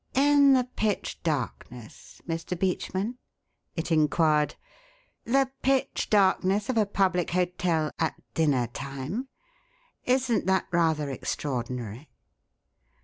"In the pitch darkness, Mr. Beachman?" it inquired. "The pitch darkness of a public hotel at dinner time? Isn't that rather extraordinary?"